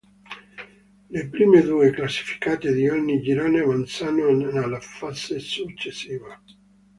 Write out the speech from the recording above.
Le prime due classificate di ogni girone avanzano alla fase successiva.